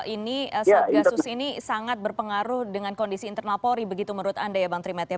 ini satgasus ini sangat berpengaruh dengan kondisi internal polri begitu menurut anda ya bang trimat ya